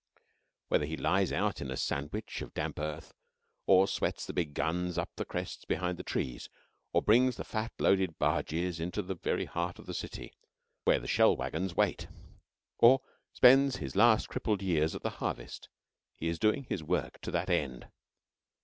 Whether he lies out in a sandwich of damp earth, or sweats the big guns up the crests behind the trees, or brings the fat, loaded barges into the very heart of the city, where the shell wagons wait, or spends his last crippled years at the harvest, he is doing his work to that end.